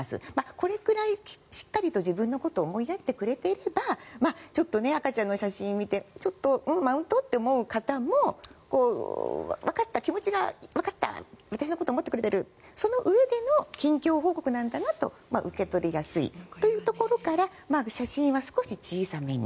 これくらいしっかりと自分のことを思いやってくれていれば赤ちゃんの写真を見てちょっとマウント？って思う方も気持ちがわかった私のことを思ってくれているそのうえでの近況報告なんだなと受け取りやすいというところから写真は少し小さめに。